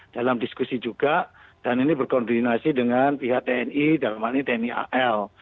dalam diskusi juga dan ini berkoordinasi dengan pihak tni dan tni al